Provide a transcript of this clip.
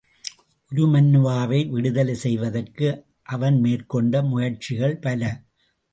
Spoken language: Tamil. உருமண்ணுவாவை விடுதலை செய்வதற்கு அவன் மேற்கொண்ட முயற்சிகள் பல.